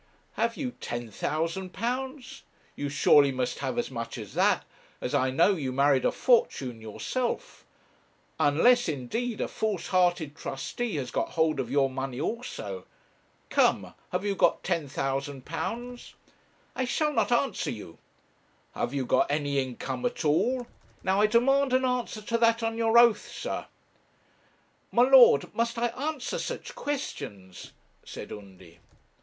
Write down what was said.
'Have you £10,000? You surely must have as much as that, as I know you married a fortune yourself, unless, indeed, a false hearted trustee has got hold of your money also. Come, have you got £10,000?' 'I shall not answer you.' 'Have you got any income at all? Now, I demand an answer to that on your oath, sir.' 'My lord, must I answer such questions?' said Undy.